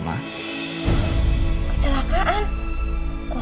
dan dia kecelakaan lagi di sana ma